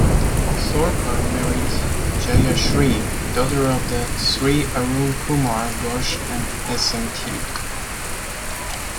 Sorcar married Jayashree, daughter of Sri Aroon Kumar Ghosh and Smt.